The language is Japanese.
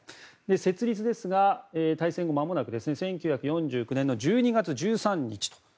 設立ですが大戦後まもなく１９４９年１２月１３日。